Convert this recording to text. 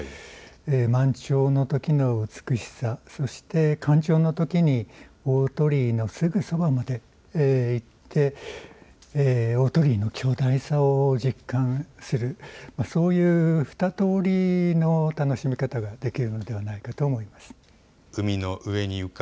満潮のときの美しさ、干潮のときに大鳥居のすぐそばまで行って大鳥居の巨大さを実感するそういう二通りの楽しみ方ができるのではないかと思います。